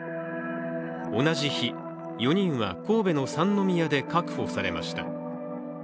同じ日、４にんは神戸の三宮で確保されました。